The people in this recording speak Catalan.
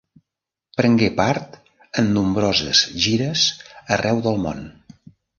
Prengué part en nombroses gires arreu del món.